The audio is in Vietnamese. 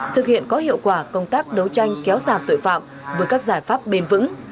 thực hiện có hiệu quả công tác đấu tranh kéo giảm tội phạm với các giải pháp bền vững